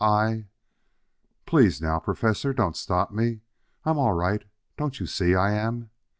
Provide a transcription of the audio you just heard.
I " "Please, now, Professor, don't stop me. I'm all right, don't you see I am?"